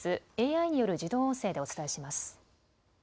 ＡＩによる自動音声でお伝えします。